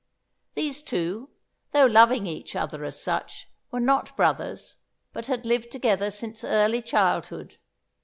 These two, though loving each other as such, were not brothers, but had lived together since early childhood.